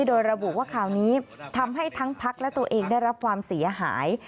โดยระบุว่าคราวนี้ทำให้ทั้งพักและตัวเองได้รับความเสียหาย